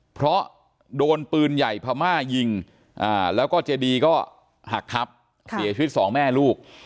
เพราะโดนปืนใหญ่พม่ายิงแล้วก็เจดีก็หักทับเสียชีวิตสองแม่ลูก